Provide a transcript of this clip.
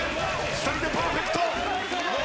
２人でパーフェクト。